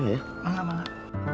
bang enggak enggak enggak